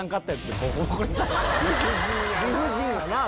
理不尽やなぁ。